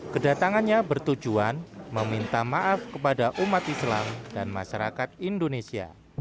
kedatangannya bertujuan meminta maaf kepada umat islam dan masyarakat indonesia